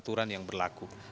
aturan yang berlaku